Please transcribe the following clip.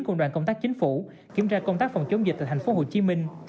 của đoàn công tác chính phủ kiểm tra công tác phòng chống dịch tại tp hcm